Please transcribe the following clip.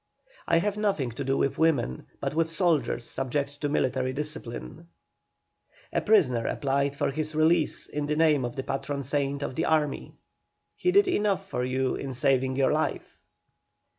"I have nothing to do with women, but with soldiers subject to military discipline." A prisoner applied for his release in the name of the patron saint of the army. "He did enough for you in saving your life."